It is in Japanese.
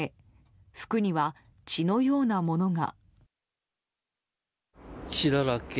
服には血のようなものが。